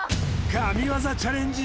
神業チャレンジ